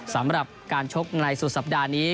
สำหรับการชกในสุดสัปดาห์นี้